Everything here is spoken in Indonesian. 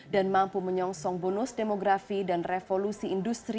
dan mampu menyongsong bonus demografi dan revolusi industri empat